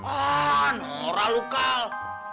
oh norah lu kal